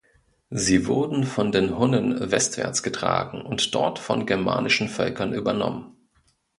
Sie wurden von den Hunnen westwärts getragen und dort von germanischen Völkern übernommen.